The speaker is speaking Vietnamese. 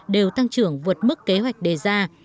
đều tăng trưởng vượt mức kế hoạch đề ra